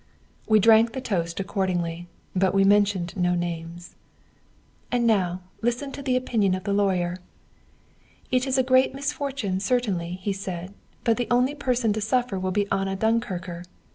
We drank the toast accordingly, but we mentioned no names. "And now listen to the opinion of the lawyer: "'It is a great misfortune, certainly,' he said, 'but the only person to suffer will be Anna Dunkircher.